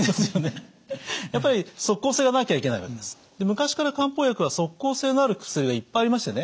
昔から漢方薬は即効性のある薬がいっぱいありましてね